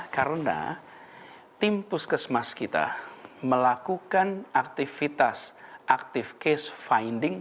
karena tim puskesmas kita melakukan aktivitas active case finding